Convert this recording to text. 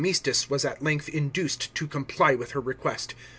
Radamlstus was at length induced to comply with her request.